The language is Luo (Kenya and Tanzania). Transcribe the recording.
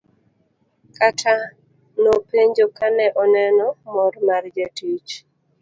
Kata nopenjo kane oneno mor mar jatich.